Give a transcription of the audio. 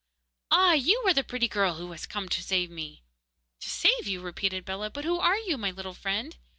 'Ah! you are the pretty girl who was to come and save me!' 'To save you!' repeated Bellah. 'But who are you, my little friend?